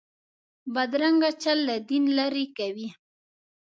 بدرنګه چل له دین لرې کوي